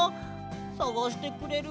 さがしてくれる？